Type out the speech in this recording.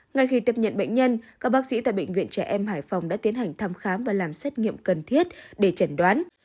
ngay khi tiếp nhận bệnh nhân các bác sĩ tại bệnh viện trẻ em hải phòng đã tiến hành thăm khám và làm xét nghiệm cần thiết để chẩn đoán